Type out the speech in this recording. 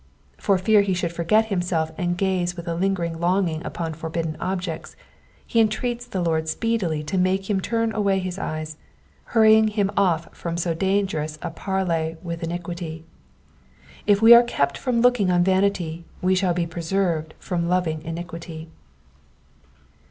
For fear he should forget himself and gaze with a lingering longing upon forbidden objects, he entreats the Lord speedily to make him turn away his eyes, hurrying him off from so dangerous a parley with iniquity. If we are kept from looking on vanity we shall be preserved from loving iniquity.